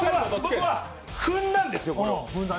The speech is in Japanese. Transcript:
僕は踏んだんですよ。